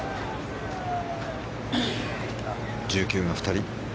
１９が２人。